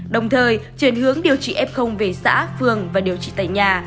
đồng thời chuyển hướng điều trị f về xã phường và điều trị tại nhà